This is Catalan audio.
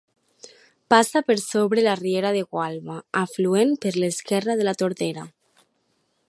Passa per sobre la riera de Gualba, afluent per l'esquerra de la Tordera.